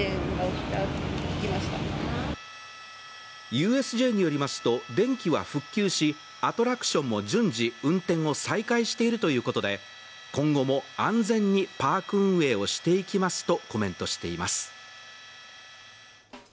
ＵＳＪによりますと、電気は復旧し、アトラクションも順次、運転を再開しているということで今後も安全にパーク運営をしていきますとコメントしています。